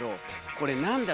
これ何や？